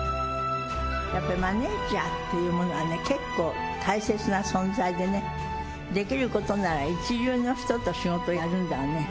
やっぱりマネージャーっていうものはね、結構、大切な存在でね、できることなら、一流の人と仕事をやるんだわね。